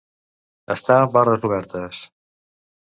Estar barres obertes.